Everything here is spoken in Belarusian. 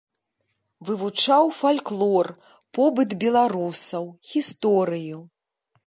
Вывучаў фальклор, побыт беларусаў, гісторыю.